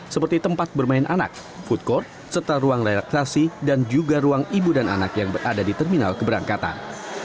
seperti tempat bermain anak food court serta ruang relaksasi dan juga ruang ibu dan anak yang berada di terminal keberangkatan